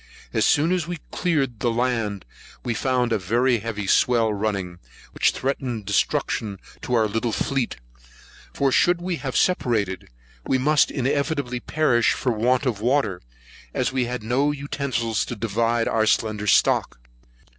As soon as we cleared the land, we found a very heavy swell running, which threatened destruction to our little fleet; for should we have separated, we must inevitably perish for want of water, as we had not utensils to divide our slender stock.